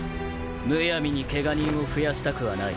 むやみにケガ人を増やしたくはない。